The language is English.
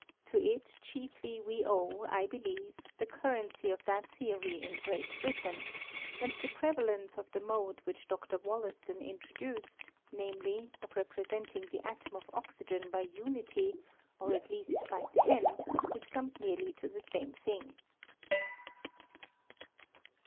To it chiefly we owe. I believe, the currency of that theory tn Great Britain ; and the prevalence of the tnode which Dr. Wollaston introduced, namely, of repre senting the atom of oxygen by unity, or at least by ten, which comes nearly to the same thing.